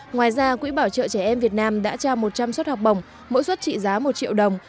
ngoài ra quỹ bảo trợ trẻ em việt nam đã trao một trăm linh suất học bổng mỗi suất trị giá một triệu đồng